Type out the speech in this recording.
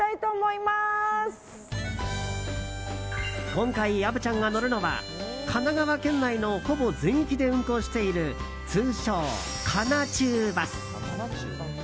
今回、虻ちゃんが乗るのは神奈川県内のほぼ全域で運行している通称神奈中バス。